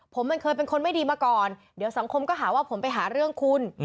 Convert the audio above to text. ผมมันเคยเป็นคนไม่ดีมาก่อนเดี๋ยวสังคมก็หาว่าผมไปหาเรื่องคุณ